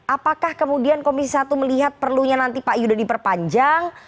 apakah kemudian komisi satu melihat perlunya nanti pak yudha diperpanjang